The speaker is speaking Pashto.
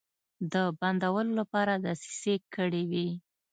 د بندولو لپاره دسیسې کړې وې.